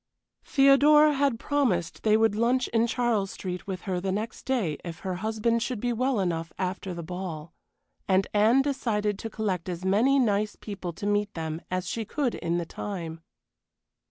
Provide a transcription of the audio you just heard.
Theodora had promised they would lunch in Charles Street with her the next day if her husband should be well enough after the ball. And Anne decided to collect as many nice people to meet them as she could in the time.